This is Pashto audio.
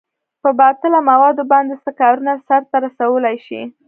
په باطله موادو باندې څه کارونه سرته رسولئ شئ؟